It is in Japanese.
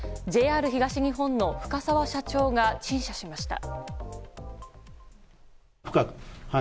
ＪＲ東日本の深澤社長が陳謝しました。